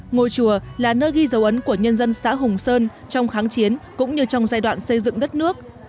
ngôi chùa là nơi ghi dấu ấn của nhân dân xã hùng sơn trong kháng chiến cũng như trong giai đoạn xây dựng đất nước